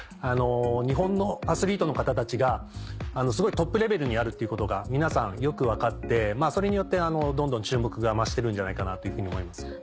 日本のアスリートの方たちがすごいトップレベルにあるっていうことがよく分かってそれによってどんどん注目が増しているんじゃないかなというふうに思いますね。